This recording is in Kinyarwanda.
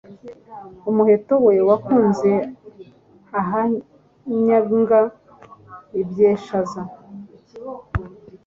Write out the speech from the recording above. Umuheto we wakunze Ahanyanga ibyeshaza.